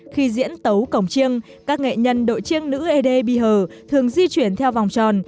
khi diễn tấu cổng trương các nghệ nhân đội chiêng nữ adb hờ thường di chuyển theo vòng tròn